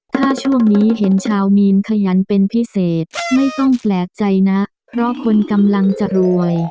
ถ้าช่วงนี้เห็นชาวมีนขยันเป็นพิเศษไม่ต้องแปลกใจนะเพราะคนกำลังจะรวย